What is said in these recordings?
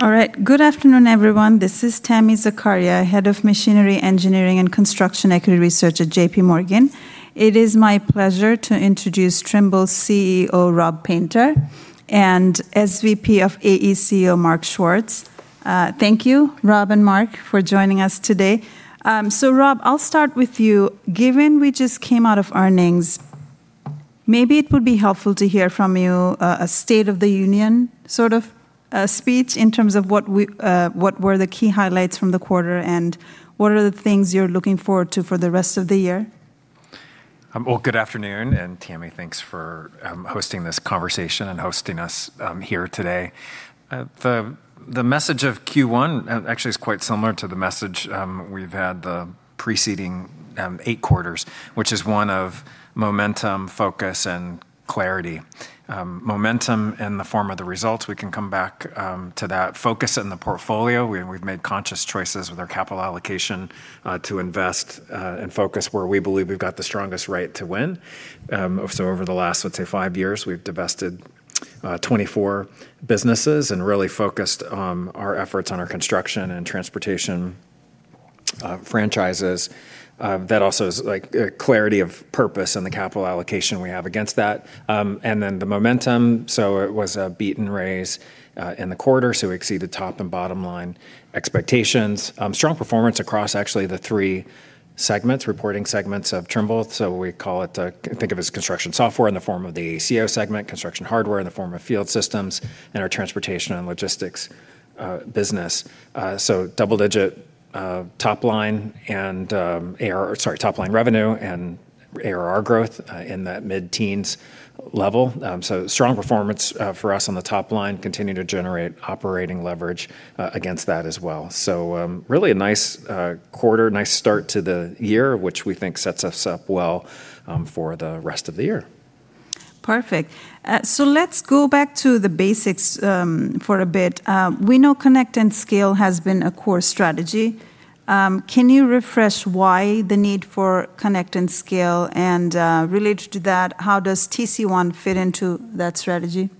All right. Good afternoon, everyone. This is Tami Zakaria, Head of Machinery Engineering and Construction Equity Research at JPMorgan. It is my pleasure to introduce Trimble CEO, Rob Painter, and SVP of AECO, Mark Schwartz. Thank you, Rob and Mark, for joining us today. Rob, I'll start with you. Given we just came out of earnings, maybe it would be helpful to hear from you, a state of the union sort of speech in terms of what were the key highlights from the quarter, what are the things you're looking forward to for the rest of the year? Well, good afternoon, and Tami, thanks for hosting this conversation and hosting us here today. The message of Q1 actually is quite similar to the message we've had the preceding eight quarters, which is one of momentum, focus, and clarity. Momentum in the form of the results, we can come back to that. Focus in the portfolio, we've made conscious choices with our capital allocation to invest and focus where we believe we've got the strongest right to win. Over the last, let's say, five years, we've divested 24 businesses and really focused our efforts on our construction and transportation franchises. That also is like clarity of purpose and the capital allocation we have against that. The momentum, it was a beat and raise in the quarter, we exceeded top and bottom line expectations. Strong performance across actually the three segments, reporting segments of Trimble, we call it, think of as construction software in the form of the AECO segment, construction hardware in the form of Field Systems, and our Transportation and Logistics business. Double digit top line and top-line revenue and ARR growth in that mid-teens level. Strong performance for us on the top line, continue to generate operating leverage against that as well. Really a nice quarter, nice start to the year, which we think sets us up well for the rest of the year. Perfect. Let's go back to the basics for a bit. We know Connect and Scale has been a core strategy. Can you refresh why the need for Connect and Scale and related to that, how does TC1 fit into that strategy?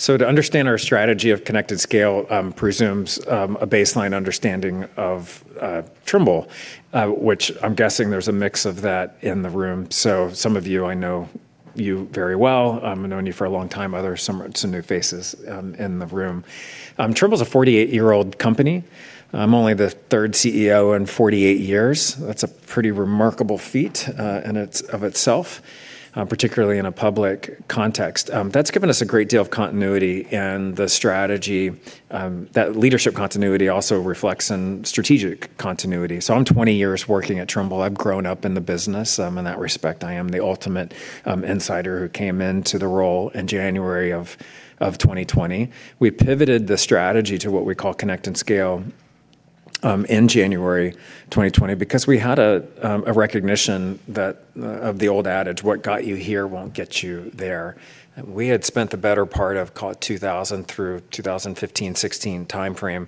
To understand our strategy of Connect and Scale, presumes a baseline understanding of Trimble, which I'm guessing there's a mix of that in the room. Some of you, I know you very well, I've known you for a long time, others some are new faces in the room. Trimble's a 48-year-old company. I'm only the third CEO in 48 years. That's a pretty remarkable feat in of itself, particularly in a public context. That's given us a great deal of continuity in the strategy, that leadership continuity also reflects in strategic continuity. I'm 20 years working at Trimble. I've grown up in the business. In that respect, I am the ultimate insider who came into the role in January of 2020. We pivoted the strategy to what we call Connect and Scale in January 2020 because we had a recognition that of the old adage, what got you here won't get you there. We had spent the better part of call it 2000 through 2015, 2016 timeframe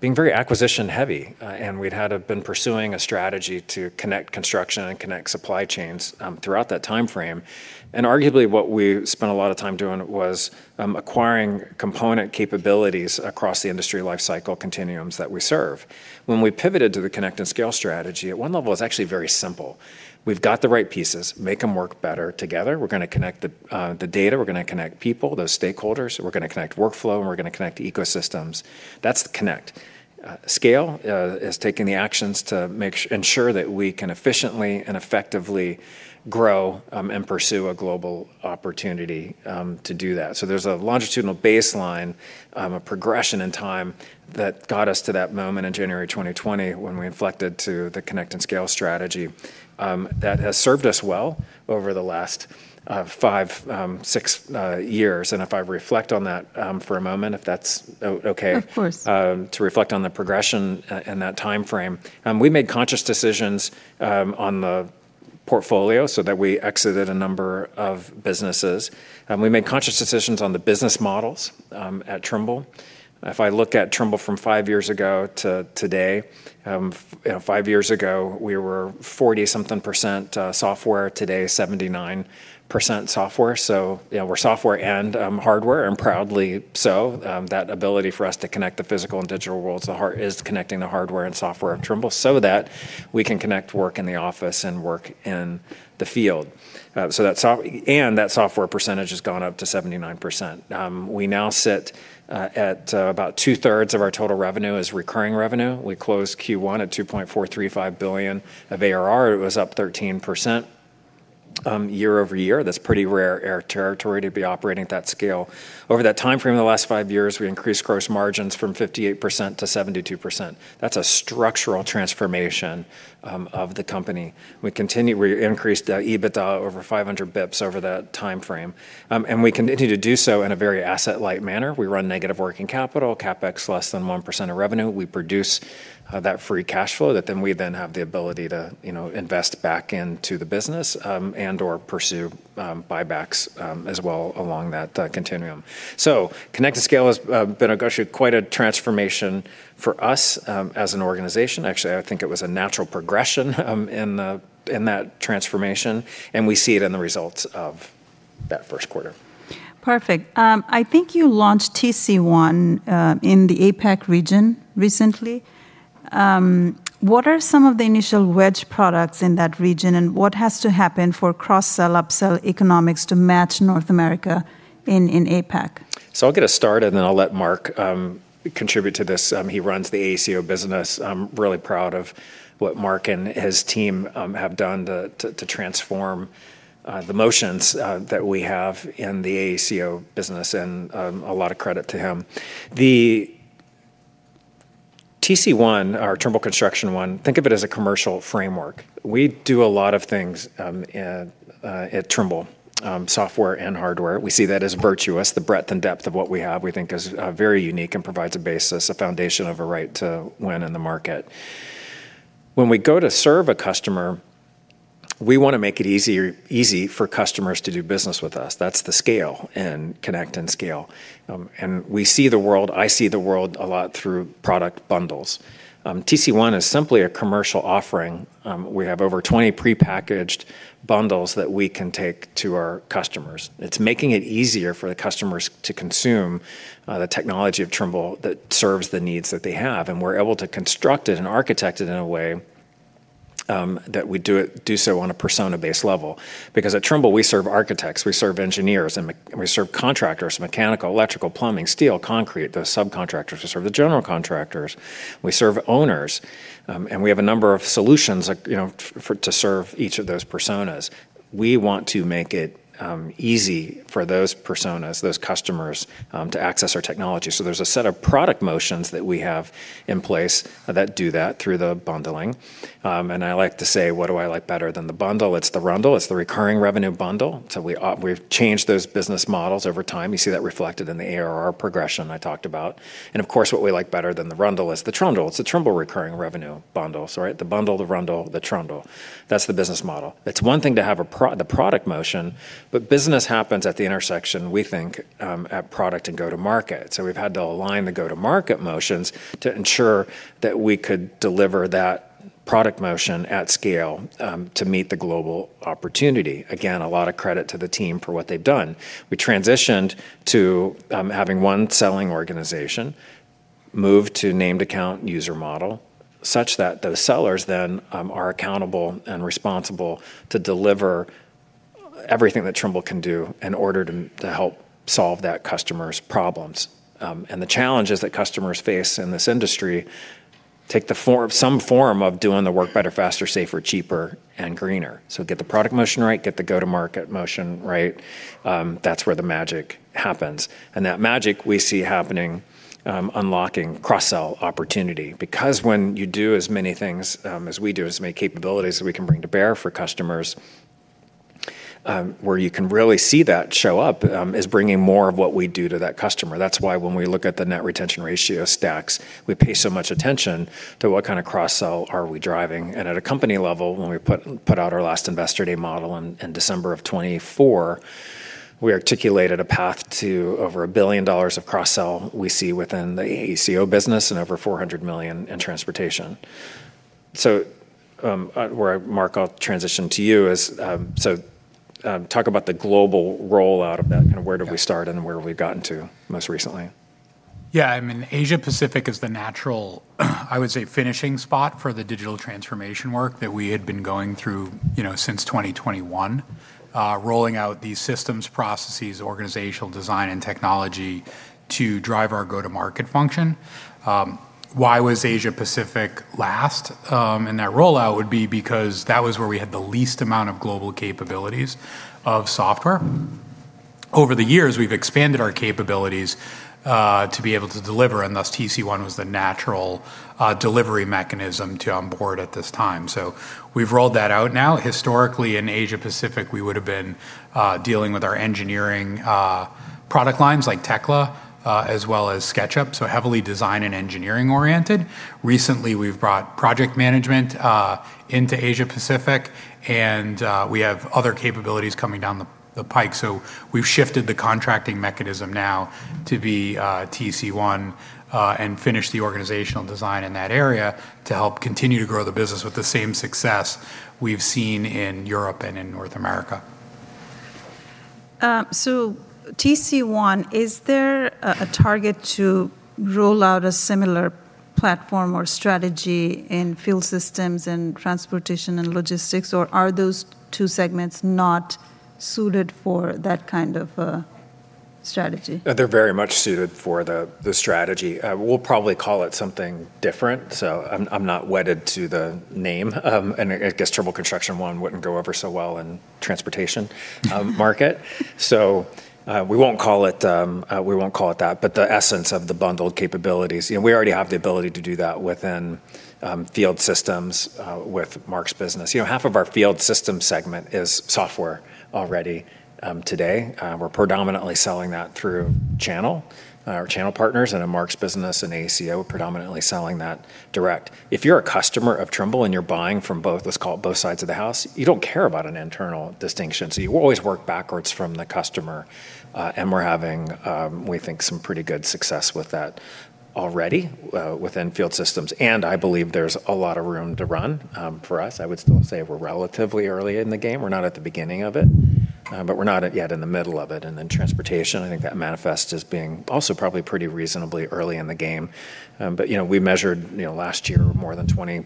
being very acquisition heavy. We'd had been pursuing a strategy to connect construction and connect supply chains throughout that timeframe. Arguably, what we spent a lot of time doing was acquiring component capabilities across the industry lifecycle continuums that we serve. When we pivoted to the Connect and Scale strategy, at one level, it's actually very simple. We've got the right pieces, make them work better together. We're gonna connect the data, we're gonna connect people, those stakeholders, we're gonna connect workflow, and we're gonna connect ecosystems. That's the connect. Scale is taking the actions to ensure that we can efficiently and effectively grow and pursue a global opportunity to do that. There's a longitudinal baseline, a progression in time that got us to that moment in January 2020 when we inflected to the Connect and Scale strategy that has served us well over the last five, six years. If I reflect on that for a moment, if that's okay. Of course. To reflect on the progression in that timeframe. We made conscious decisions on the portfolio so that we exited a number of businesses. We made conscious decisions on the business models at Trimble. If I look at Trimble from five years ago to today, you know, five years ago, we were 40%-something software. Today, 79% software. You know, we're software and hardware, and proudly so. That ability for us to connect the physical and digital world is connecting the hardware and software of Trimble so that we can connect work in the office and work in the field. And that software percentage has gone up to 79%. We now sit at about 2/3 of our total revenue is recurring revenue. We closed Q1 at $2.435 billion of ARR. It was up 13% year-over-year. That's pretty rare territory to be operating at that scale. Over that timeframe of the last five years, we increased gross margins from 58% to 72%. That's a structural transformation of the company. We increased EBITDA over 500 basis points over that timeframe. We continue to do so in a very asset light manner. We run negative working capital, CapEx less than 1% of revenue. We produce that free cash flow that we have the ability to, you know, invest back into the business and or pursue buybacks as well along that continuum. Connect and Scale has been a gosh, quite a transformation for us as an organization. Actually, I think it was a natural progression, in that transformation. We see it in the results of that first quarter. Perfect. I think you launched TC1 in the APAC region recently. What are some of the initial wedge products in that region, and what has to happen for cross-sell, upsell economics to match North America in APAC? I'll get us started, and then I'll let Mark contribute to this. He runs the AECO business. I'm really proud of what Mark and his team have done to transform the motions that we have in the AECO business and a lot of credit to him. The TC1, our Trimble Construction One, think of it as a commercial framework. We do a lot of things at Trimble, software and hardware. We see that as virtuous. The breadth and depth of what we have, we think is very unique and provides a basis, a foundation of a right to win in the market. When we go to serve a customer, we wanna make it easy for customers to do business with us. That's the scale in Connect and Scale. We see the world, I see the world a lot through product bundles. TC1 is simply a commercial offering. We have over 20 prepackaged bundles that we can take to our customers. It's making it easier for the customers to consume the technology of Trimble that serves the needs that they have, and we're able to construct it and architect it in a way that we do so on a persona-based level. Because at Trimble, we serve architects, we serve engineers, and we serve contractors, mechanical, electrical, plumbing, steel, concrete, the subcontractors. We serve the general contractors. We serve owners. We have a number of solutions like, you know, to serve each of those personas. We want to make it easy for those personas, those customers, to access our technology. There's a set of product motions that we have in place that do that through the bundling. I like to say, what do I like better than the bundle? It's the rundle. It's the recurring revenue bundle. We've changed those business models over time. You see that reflected in the ARR progression I talked about. Of course, what we like better than the rundle is the trundle. It's the Trimble recurring revenue bundle. Right, the bundle, the rundle, the trundle. That's the business model. It's one thing to have the product motion, but business happens at the intersection, we think, at product and go-to-market. We've had to align the go-to-market motions to ensure that we could deliver that product motion at scale to meet the global opportunity. A lot of credit to the team for what they've done. We transitioned to having one selling organization move to named account user model such that those sellers then are accountable and responsible to deliver everything that Trimble can do in order to help solve that customer's problems. The challenges that customers face in this industry take some form of doing the work better, faster, safer, cheaper, and greener. Get the product motion right, get the go-to-market motion right, that's where the magic happens. That magic we see happening, unlocking cross-sell opportunity. When you do as many things as we do, as many capabilities as we can bring to bear for customers, where you can really see that show up is bringing more of what we do to that customer. That's why when we look at the net retention ratio stacks, we pay so much attention to what kind of cross-sell are we driving. At a company level, when we put out our last Investor Day model in December of 2024, we articulated a path to over $1 billion of cross-sell we see within the AECO business and over $400 million in transportation. Where Mark, I'll transition to you is, talk about the global rollout of that and where do we start and where we've gotten to most recently? Yeah. I mean, Asia Pacific is the natural, I would say, finishing spot for the digital transformation work that we had been going through, you know, since 2021, rolling out these systems, processes, organizational design, and technology to drive our go-to-market function. Why was Asia Pacific last in that rollout would be because that was where we had the least amount of global capabilities of software. Over the years, we've expanded our capabilities to be able to deliver, and thus TC1 was the natural delivery mechanism to onboard at this time. We've rolled that out now. Historically, in Asia Pacific, we would've been dealing with our engineering product lines like Tekla, as well as SketchUp, so heavily design and engineering-oriented. Recently, we've brought project management into Asia Pacific and we have other capabilities coming down the pike. We've shifted the contracting mechanism now to be TC1 and finish the organizational design in that area to help continue to grow the business with the same success we've seen in Europe and in North America. TC1, is there a target to roll out a similar platform or strategy in Field Systems and transportation and logistics, or are those two segments not suited for that kind of, strategy? They're very much suited for the strategy. We'll probably call it something different, so I'm not wedded to the name. I guess Trimble Construction One wouldn't go over so well in transportation market. We won't call it that, but the essence of the bundled capabilities, you know, we already have the ability to do that within Field Systems with Mark's business. You know, half of our Field Systems segment is software already today. We're predominantly selling that through channel, our channel partners, and in Mark's business in AECO, predominantly selling that direct. If you're a customer of Trimble and you're buying from both, let's call it both sides of the house, you don't care about an internal distinction. You always work backwards from the customer, and we're having, we think some pretty good success with that already, within Field Systems, and I believe there's a lot of room to run for us. I would still say we're relatively early in the game. We're not at the beginning of it, but we're not yet in the middle of it. Transportation, I think that manifests as being also probably pretty reasonably early in the game. You know, we measured, you know, last year more than 20%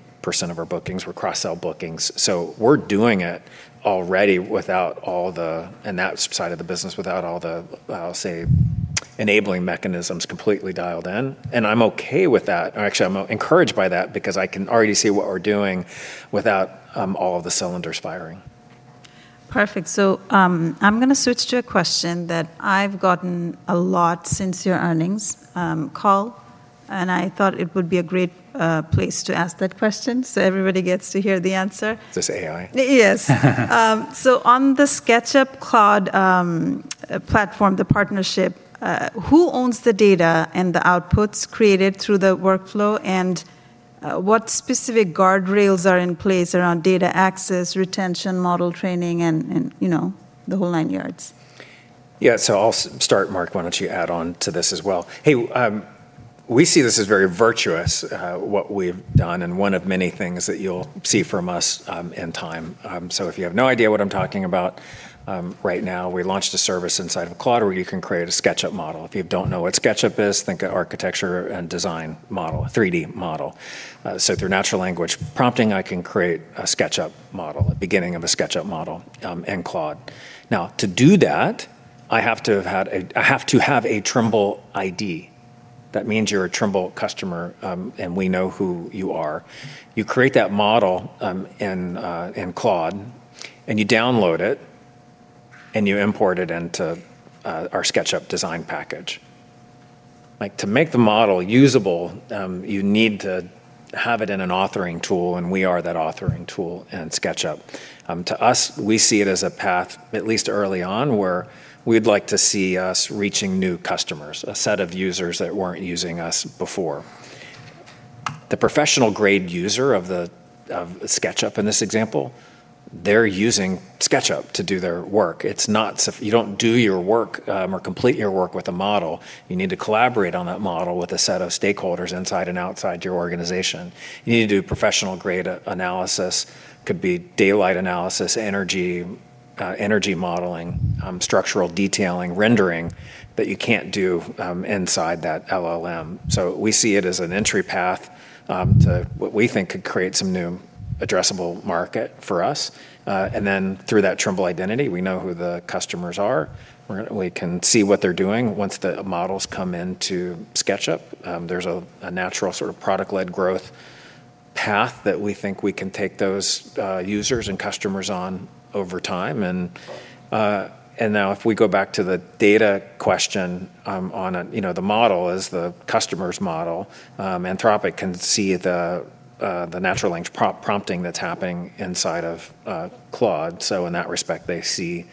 of our bookings were cross-sell bookings. We're doing it already without all the in that side of the business without all the, I'll say, enabling mechanisms completely dialed in, and I'm okay with that. Actually, I'm encouraged by that because I can already see what we're doing without all of the cylinders firing. Perfect. I'm gonna switch to a question that I've gotten a lot since your earnings call, and I thought it would be a great place to ask that question so everybody gets to hear the answer. Is this AI? It is. On the SketchUp Claude platform, the partnership, who owns the data and the outputs created through the workflow and what specific guardrails are in place around data access, retention, model training and you know, the whole nine yards? Yeah. I'll start. Mark, why don't you add on to this as well? Hey, we see this as very virtuous, what we've done and one of many things that you'll see from us in time. If you have no idea what I'm talking about right now, we launched a service inside of Claude where you can create a SketchUp model. If you don't know what SketchUp is, think of architecture and design model, a 3D model. Through natural language prompting, I can create a SketchUp model, a beginning of a SketchUp model in Claude. To do that, I have to have a Trimble ID. That means you're a Trimble customer, and we know who you are. You create that model in Claude, and you download it, and you import it into our SketchUp design package. Like, to make the model usable, you need to have it in an authoring tool, and we are that authoring tool in SketchUp. To us, we see it as a path, at least early on, where we'd like to see us reaching new customers, a set of users that weren't using us before. The professional-grade user of the, of SketchUp in this example, they're using SketchUp to do their work. It's not You don't do your work or complete your work with a model. You need to collaborate on that model with a set of stakeholders inside and outside your organization. You need to do professional-grade analysis. Could be daylight analysis, energy modeling, structural detailing, rendering that you can't do inside that LLM. We see it as an entry path to what we think could create some new addressable market for us. Through that Trimble identity, we know who the customers are. We can see what they're doing once the models come into SketchUp. There's a natural sort of product-led growth path that we think we can take those users and customers on over time. Now if we go back to the data question, on, you know, the model is the customer's model, Anthropic can see the natural language prompting that's happening inside of Claude. In that respect, they see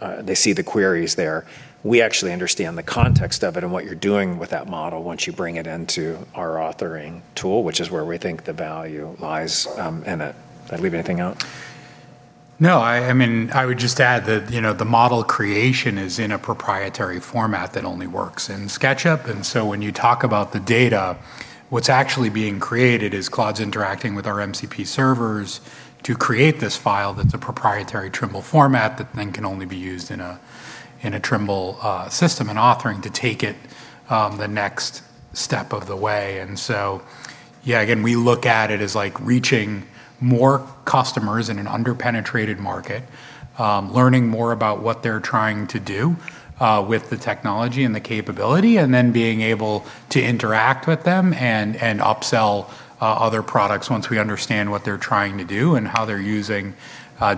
the queries there. We actually understand the context of it and what you're doing with that model once you bring it into our authoring tool, which is where we think the value lies, in it. Did I leave anything out? No. I mean, I would just add that, you know, the model creation is in a proprietary format that only works in SketchUp. When you talk about the data, what's actually being created is Claude's interacting with our MCP servers to create this file that's a proprietary Trimble format that then can only be used in a Trimble system and authoring to take it the next step of the way. Yeah, again, we look at it as, like, reaching more customers in an under-penetrated market, learning more about what they're trying to do with the technology and the capability, and then being able to interact with them and upsell other products once we understand what they're trying to do and how they're using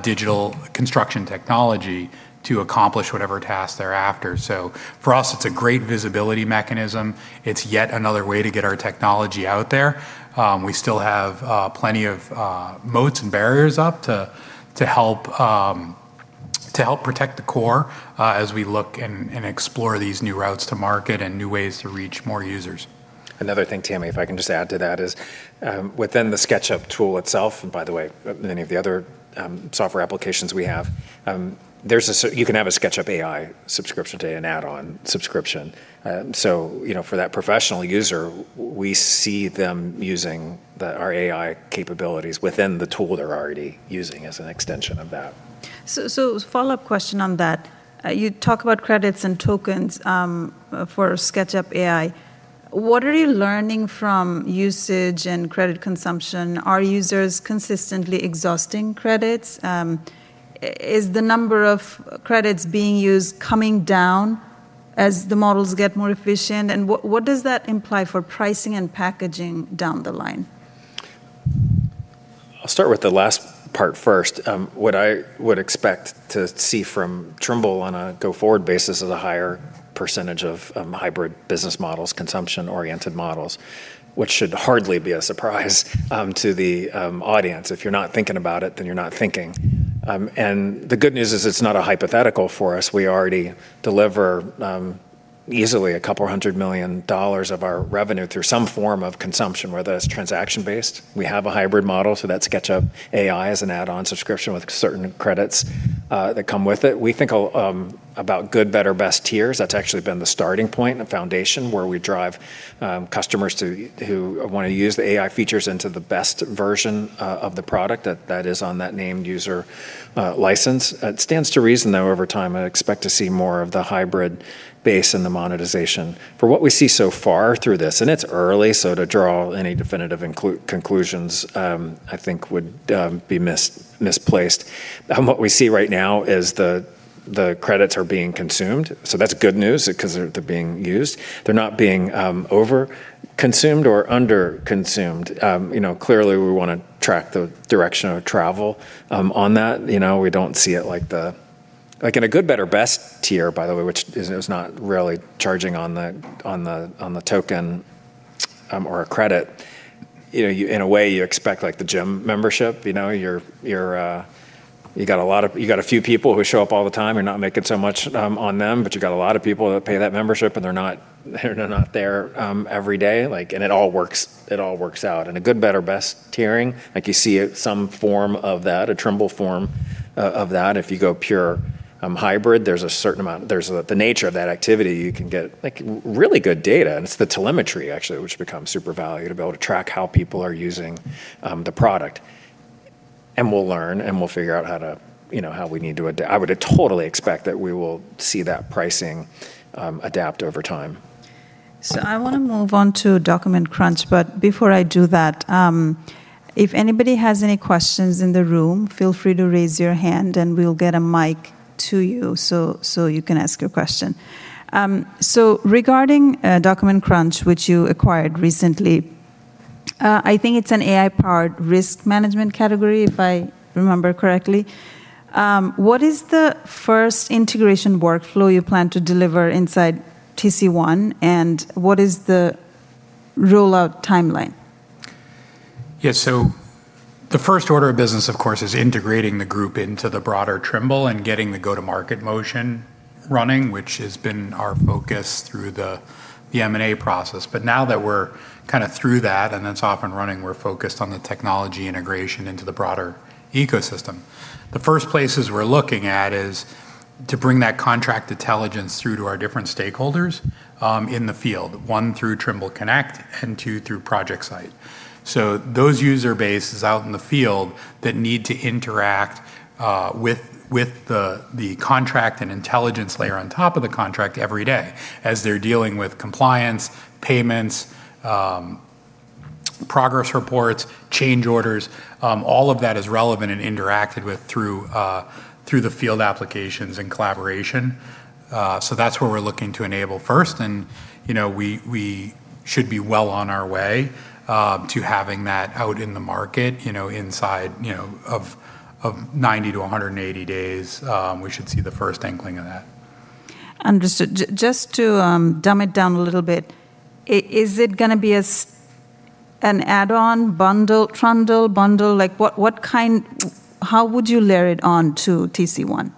digital construction technology to accomplish whatever task they're after. For us, it's a great visibility mechanism. It's yet another way to get our technology out there. We still have plenty of moats and barriers up to help protect the core as we look and explore these new routes to market and new ways to reach more users. Another thing, Tami, if I can just add to that is, within the SketchUp tool itself, and by the way, any of the other software applications we have, there's a you can have a SketchUp AI subscription today, an add-on subscription. You know, for that professional user, we see them using our AI capabilities within the tool they're already using as an extension of that. Follow-up question on that. You talk about credits and tokens for SketchUp AI. What are you learning from usage and credit consumption? Are users consistently exhausting credits? Is the number of credits being used coming down as the models get more efficient? What does that imply for pricing and packaging down the line? I'll start with the last part first. What I would expect to see from Trimble on a go-forward basis is a higher percentage of hybrid business models, consumption-oriented models, which should hardly be a surprise to the audience. If you're not thinking about it, you're not thinking. The good news is it's not a hypothetical for us. We already deliver easily a couple hundred million dollars of our revenue through some form of consumption, whether that's transaction-based. We have a hybrid model, that's SketchUp AI as an add-on subscription with certain credits that come with it. We think about good, better, best tiers. That's actually been the starting point and foundation where we drive customers who wanna use the AI features into the best version of the product that is on that named user license. It stands to reason, though, over time, I expect to see more of the hybrid base in the monetization. What we see so far through this, and it's early, so to draw any definitive conclusions, I think would be misplaced. What we see right now is the credits are being consumed, so that's good news 'cause they're being used. They're not being over-consumed or under-consumed. You know, clearly we wanna track the direction of travel on that. You know, we don't see it like the in a good, better, best tier, by the way, it was not really charging on the token or a credit. You know, you in a way you expect like the gym membership. You know, you're you got a few people who show up all the time. You're not making so much on them, but you got a lot of people that pay that membership, and they're not there every day. Like, it all works out. In a good, better, best tiering, like you see some form of that, a Trimble form of that. If you go pure hybrid, there's a certain amount. There's the nature of that activity, you can get, like, really good data, and it's the telemetry actually which becomes super valuable to be able to track how people are using the product. We'll learn, and we'll figure out how to, you know. I would totally expect that we will see that pricing adapt over time. I want to move on to Document Crunch, but before I do that, if anybody has any questions in the room, feel free to raise your hand, and we'll get a mic to you so you can ask your question. Regarding Document Crunch, which you acquired recently, I think it's an AI-powered risk management category, if I remember correctly. What is the first integration workflow you plan to deliver inside TC1, and what is the rollout timeline? The first order of business, of course, is integrating the group into the broader Trimble and getting the go-to-market motion running, which has been our focus through the M&A process. Now that we're kind of through that, and it's off and running, we're focused on the technology integration into the broader ecosystem. The first places we're looking at is to bring that contract intelligence through to our different stakeholders in the field, one through Trimble Connect, and two through ProjectSight. Those user bases out in the field that need to interact with the contract and intelligence layer on top of the contract every day as they're dealing with compliance, payments, progress reports, change orders. All of that is relevant and interacted with through the field applications and collaboration. That's where we're looking to enable first. You know, we should be well on our way to having that out in the market, you know, inside, you know, of 90 to 180 days, we should see the first inkling of that. Understood. Just to dumb it down a little bit, is it gonna be an add-on bundle, trundle, bundle? Like what, how would you layer it on to TC1?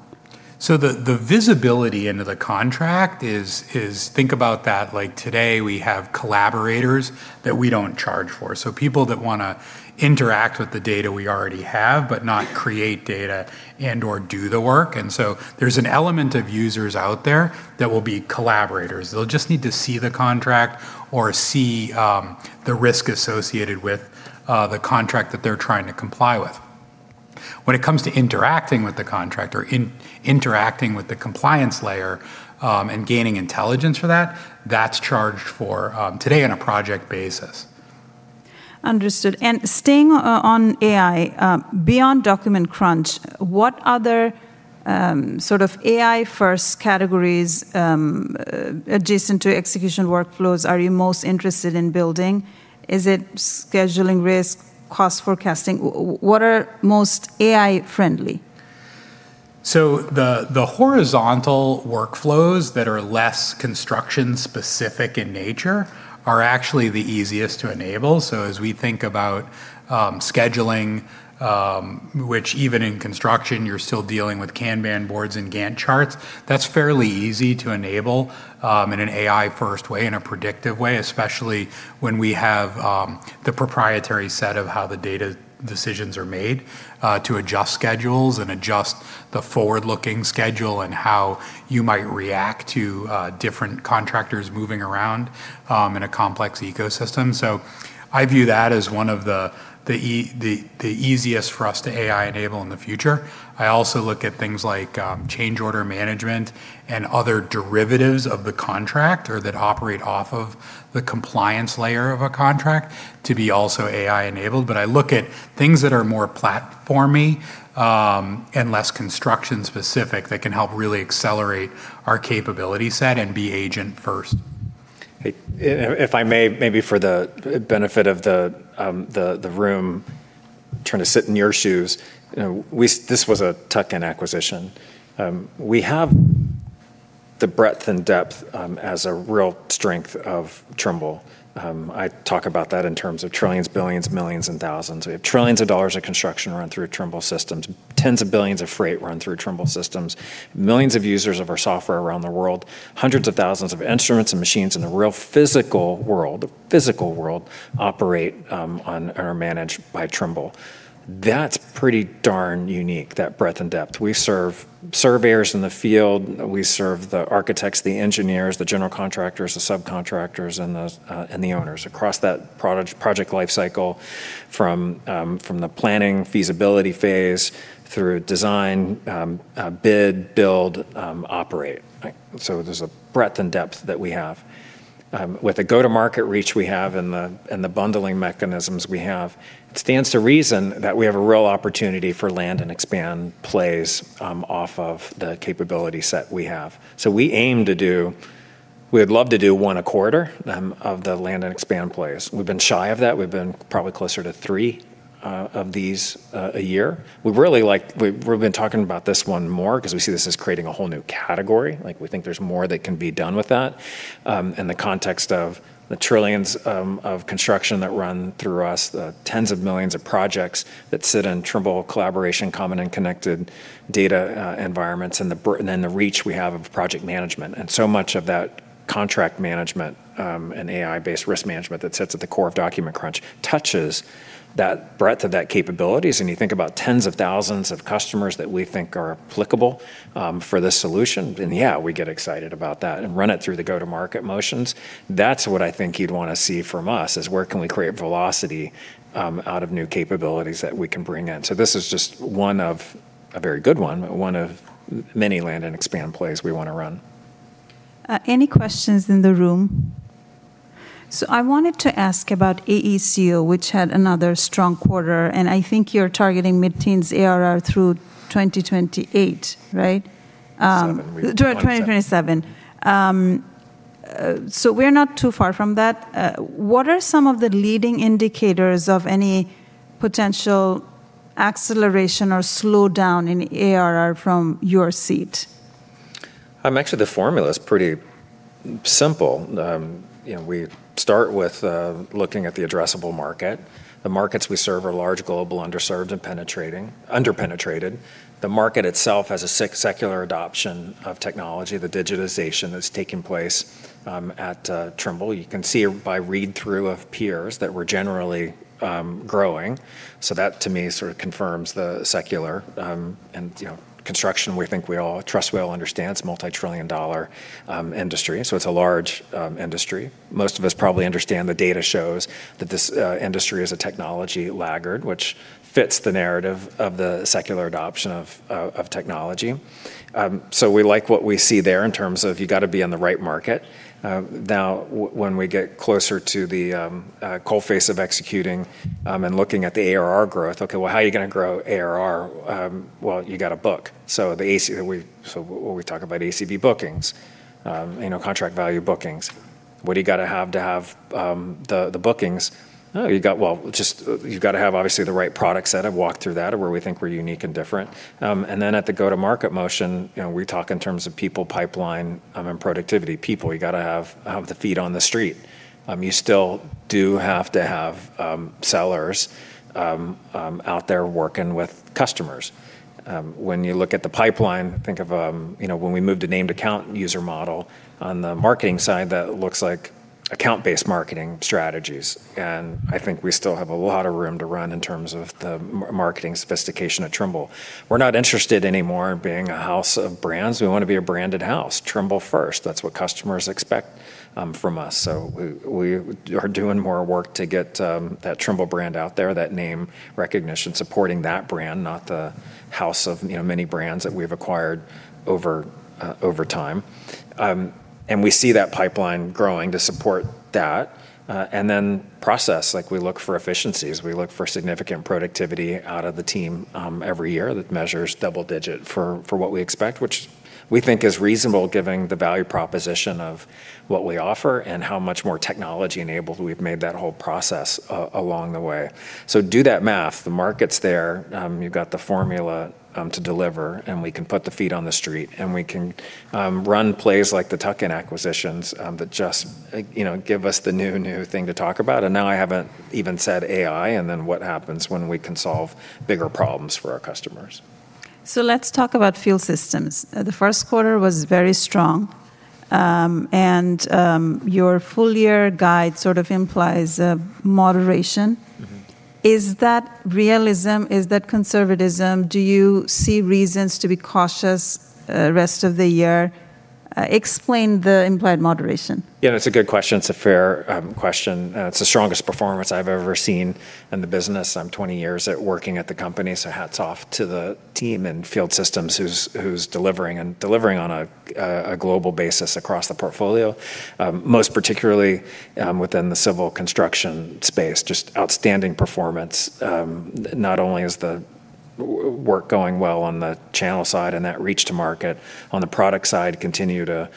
The visibility into the contract is think about that like today we have collaborators that we don't charge for. People that wanna interact with the data we already have, but not create data and or do the work. There's an element of users out there that will be collaborators. They'll just need to see the contract or see the risk associated with the contract that they're trying to comply with. When it comes to interacting with the contract or interacting with the compliance layer, and gaining intelligence for that's charged for today on a project basis. Understood. Staying on AI, beyond Document Crunch, what other, sort of AI-first categories, adjacent to execution workflows are you most interested in building? Is it scheduling risk, cost forecasting? What are most AI friendly? The horizontal workflows that are less construction-specific in nature are actually the easiest to enable. As we think about scheduling, which even in construction, you're still dealing with Kanban boards and Gantt charts, that's fairly easy to enable in an AI-first way, in a predictive way, especially when we have the proprietary set of how the data decisions are made to adjust schedules and adjust the forward-looking schedule and how you might react to different contractors moving around in a complex ecosystem. I view that as one of the easiest for us to AI enable in the future. I also look at things like change order management and other derivatives of the contract that operate off of the compliance layer of a contract to be also AI enabled. I look at things that are more platformy, and less construction-specific that can help really accelerate our capability set and be agent first. If I may, maybe for the benefit of the room, trying to sit in your shoes, you know, this was a tuck-in acquisition. we have the breadth and depth as a real strength of Trimble. I talk about that in terms of trillions, billions, millions and thousands. We have trillions of dollars of construction run through Trimble systems, tens of billions of freight run through Trimble systems, millions of users of our software around the world, hundreds of thousands of instruments and machines in the real physical world, the physical world, operate, are managed by Trimble. That's pretty darn unique, that breadth and depth. We serve surveyors in the field, we serve the architects, the engineers, the general contractors, the subcontractors, and the owners across that project life cycle from the planning feasibility phase through design, bid, build, operate. Like, there's a breadth and depth that we have. With the go-to-market reach we have and the bundling mechanisms we have, it stands to reason that we have a real opportunity for land and expand plays off of the capability set we have. We aim to do, we'd love to do one a quarter of the land and expand plays. We've been shy of that. We've been probably closer to three of these a year. We've really been talking about this one more because we see this as creating a whole new category. We think there's more that can be done with that. In the context of the trillions of construction that run through us, the tens of millions of projects that sit in Trimble collaboration, common and connected data environments and the reach we have of project management. So much of that contract management and AI-based risk management that sits at the core of Document Crunch touches that breadth of that capabilities. You think about tens of thousands of customers that we think are applicable for this solution, then yeah, we get excited about that and run it through the go-to-market motions. That's what I think you'd wanna see from us, is where can we create velocity out of new capabilities that we can bring in. This is just a very good one of many land and expand plays we wanna run. Any questions in the room? I wanted to ask about AECO, which had another strong quarter, and I think you're targeting mid-teens ARR through 2028, right? Seven. 2027. We're not too far from that. What are some of the leading indicators of any potential acceleration or slowdown in ARR from your seat? Actually the formula's pretty simple. You know, we start with looking at the addressable market. The markets we serve are large, global, underserved, and under-penetrated. The market itself has a secular adoption of technology. The digitization that's taking place at Trimble. You can see by read-through of peers that we're generally growing. That to me sort of confirms the secular. You know, construction, we think trust we all understand it's a multi-trillion dollar industry, so it's a large industry. Most of us probably understand the data shows that this industry is a technology laggard, which fits the narrative of the secular adoption of technology. We like what we see there in terms of you gotta be in the right market. Now when we get closer to the coal face of executing, and looking at the ARR growth, okay, well, how are you gonna grow ARR? Well, you gotta book. When we talk about ACV bookings, you know, contract value bookings, what do you gotta have to have the bookings? Well, just, you gotta have obviously the right product set. I've walked through that of where we think we're unique and different. Then at the go-to-market motion, you know, we talk in terms of people, pipeline, and productivity. People, you gotta have the feet on the street. You still do have to have sellers out there working with customers. When you look at the pipeline, think of, you know, when we moved to named account user model on the marketing side, that looks like account-based marketing strategies. I think we still have a lot of room to run in terms of the marketing sophistication at Trimble. We're not interested anymore in being a house of brands. We wanna be a branded house. Trimble first. That's what customers expect from us. We are doing more work to get that Trimble brand out there, that name recognition, supporting that brand, not the house of, you know, many brands that we've acquired over time. We see that pipeline growing to support that. Then process, like we look for efficiencies. We look for significant productivity out of the team, every year that measures double-digit for what we expect, which we think is reasonable given the value proposition of what we offer and how much more technology-enabled we've made that whole process along the way. Do that math. The market's there. You've got the formula to deliver, and we can put the feet on the street, and we can run plays like the tuck-in acquisitions that just, you know, give us the new thing to talk about. Now I haven't even said AI, and then what happens when we can solve bigger problems for our customers. Let's talk about Field Systems. The first quarter was very strong, and your full-year guide sort of implies moderation. Is that realism? Is that conservatism? Do you see reasons to be cautious, rest of the year? Explain the implied moderation. Yeah, it's a good question. It's a fair question. It's the strongest performance I've ever seen in the business. I'm 20 years at working at the company, so hats off to the team in Field Systems who's delivering on a global basis across the portfolio. Most particularly, within the civil construction space, just outstanding performance. Not only is the work going well on the channel side and that reach to market, on the product side continue to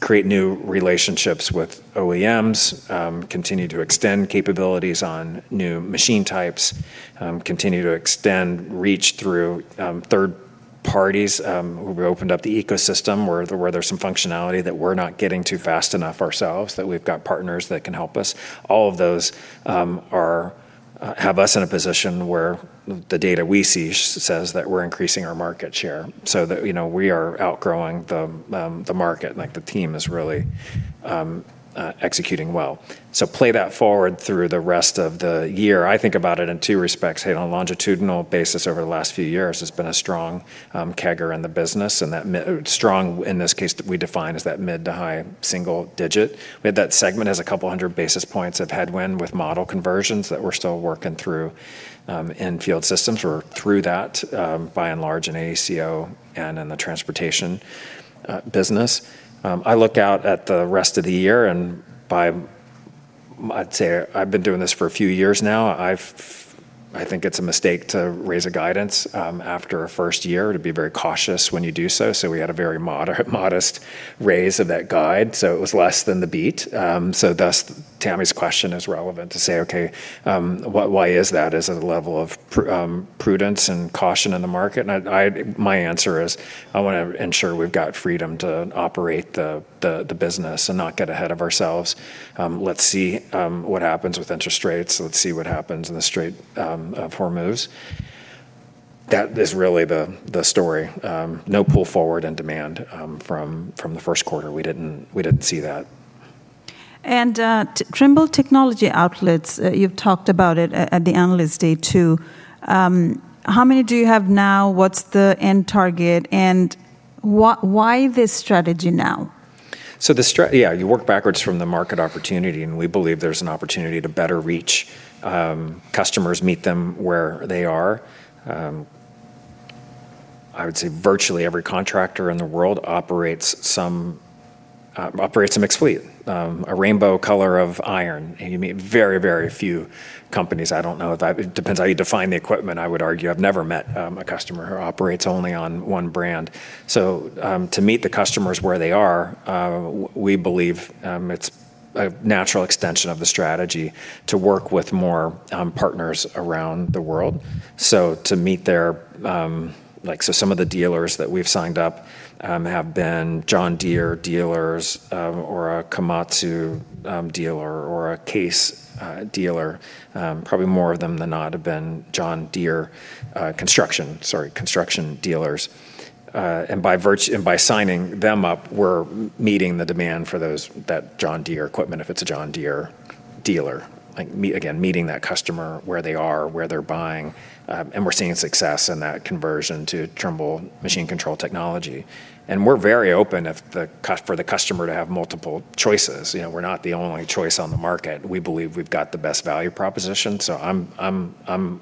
create new relationships with OEMs, continue to extend capabilities on new machine types, continue to extend reach through third parties. We opened up the ecosystem where there's some functionality that we're not getting to fast enough ourselves, that we've got partners that can help us. All of those have us in a position where the data we see says that we're increasing our market share so that, you know, we are outgrowing the market. Like, the team is really executing well. Play that forward through the rest of the year, I think about it in two respects. Hey, on a longitudinal basis over the last few years, it's been a strong CAGR in the business, and that strong in this case that we define as that mid to high single digit. We had that segment as 200 basis points of headwind with model conversions that we're still working through in Field Systems. We're through that by and large in AECO and in the Transportation business. I look out at the rest of the year. I'd say I've been doing this for a few years now. I think it's a mistake to raise a guidance after a first year. It'd be very cautious when you do so. We had a very modest raise of that guide, so it was less than the beat. Thus Tami's question is relevant to say, okay, why is that? Is it the level of prudence and caution in the market? My answer is I wanna ensure we've got freedom to operate the business and not get ahead of ourselves. Let's see what happens with interest rates. Let's see what happens in the trade war moves. That is really the story. No pull forward in demand, from the first quarter. We didn't see that. Trimble technology outlets, you've talked about it at the Analyst Day too. How many do you have now? What's the end target, and why this strategy now? Yeah, you work backwards from the market opportunity, and we believe there's an opportunity to better reach customers, meet them where they are. I would say virtually every contractor in the world operates some, operates a mixed fleet, a rainbow color of iron. You meet very, very few companies. I don't know if it depends how you define the equipment. I would argue I've never met a customer who operates only on one brand. To meet the customers where they are, we believe it's a natural extension of the strategy to work with more partners around the world. To meet their, like, so some of the dealers that we've signed up have been John Deere dealers, or a Komatsu dealer, or a Case dealer. Probably more of them than not have been John Deere construction dealers. By signing them up, we're meeting the demand for those, that John Deere equipment if it's a John Deere dealer. Like again, meeting that customer where they are, where they're buying, and we're seeing success in that conversion to Trimble machine control technology. We're very open for the customer to have multiple choices. You know, we're not the only choice on the market. We believe we've got the best value proposition, I'm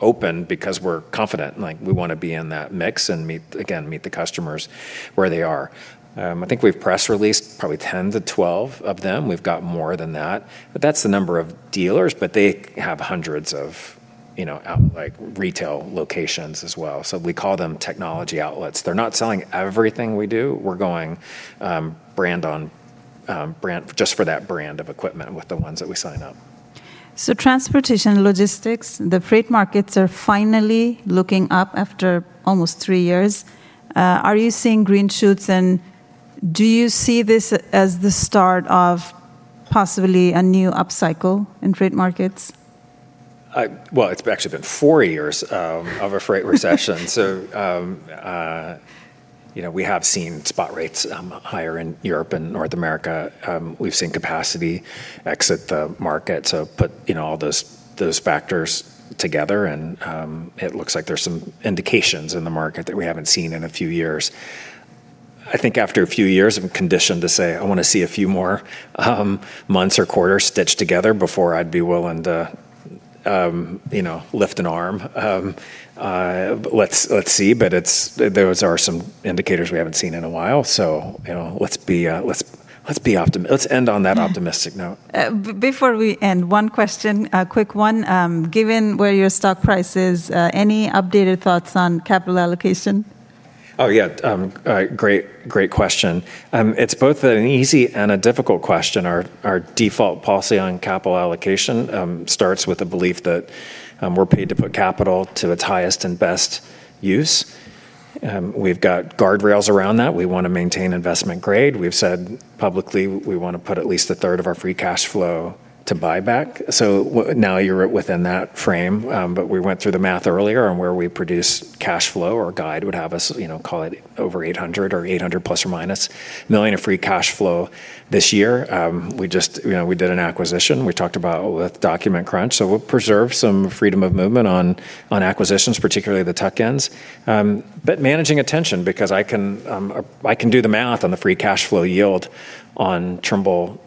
open because we're confident. Like, we wanna be in that mix and meet, again, the customers where they are. I think we've press released probably 10-12 of them. We've got more than that's the number of dealers. They have hundreds of, you know, out, like, retail locations as well. We call them Technology Outlets. They're not selling everything we do. We're going brand on just for that brand of equipment with the ones that we sign up. Transportation Logistics, the freight markets are finally looking up after almost three years. Are you seeing green shoots, and do you see this as the start of possibly a new upcycle in freight markets? Well, it's actually been four years of a freight recession. You know, we have seen spot rates higher in Europe and North America. We've seen capacity exit the market. Put, you know, all those factors together, and it looks like there's some indications in the market that we haven't seen in a few years. I think after a few years, I'm conditioned to say, "I wanna see a few more months or quarters stitched together before I'd be willing to, you know, lift an arm." Let's see. There are some indicators we haven't seen in a while. You know, let's end on that optimistic note. Before we end, one question, a quick one. given where your stock price is, any updated thoughts on capital allocation? Oh, yeah. All right, great question. It's both an easy and a difficult question. Our default policy on capital allocation starts with the belief that we're paid to put capital to its highest and best use. We've got guardrails around that. We want to maintain investment grade. We've said publicly we wanna put at least a third of our free cash flow to buyback. Now you're within that frame. We went through the math earlier, and where we produce cash flow or guide would have us, you know, call it over $800 million or $800± million of free cash flow this year. We just, you know, we did an acquisition we talked about with Document Crunch, we'll preserve some freedom of movement on acquisitions, particularly the tuck-ins. Managing attention, because I can, I can do the math on the free cash flow yield on Trimble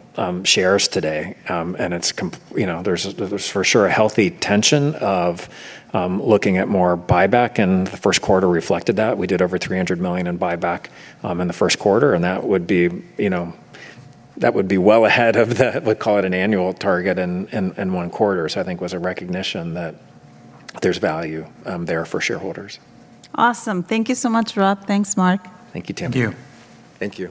shares today. It's you know, there's for sure a healthy tension of looking at more buyback, and the first quarter reflected that. We did over $300 million in buyback in the first quarter, and that would be, you know, that would be well ahead of the we call it an annual target in one quarter. I think it was a recognition that there's value there for shareholders. Awesome. Thank you so much, Rob. Thanks, Mark. Thank you, Tami. Thank you. Thank you.